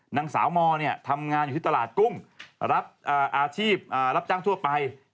นางสาวมทำงานอยู่ที่ตลาดกุ้งรับอาชีพรับจ้างทั่วไป